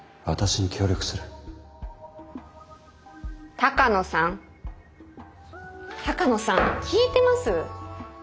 鷹野さん聞いてます？